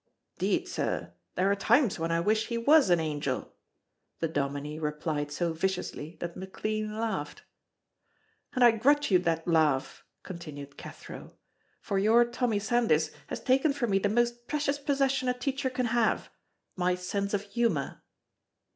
"'Deed, sir, there are times when I wish he was an angel," the dominie replied so viciously that McLean laughed. "And I grudge you that laugh," continued Cathro, "for your Tommy Sandys has taken from me the most precious possession a teacher can have my sense of humor."